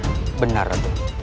paman berani bersumpah